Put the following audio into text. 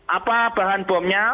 apa bahan bomnya